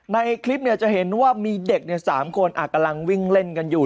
ในคลิปจะเห็นว่ามีเด็ก๓คนกำลังวิ่งเล่นกันอยู่